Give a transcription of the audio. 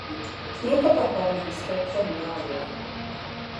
Grŵp o bobl mewn gwisgoedd plymio awyr.